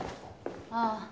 ああ